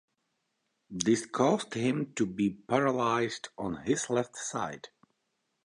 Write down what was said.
This caused him to be paralyzed on his left side.